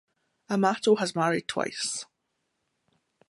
Amato has married twice.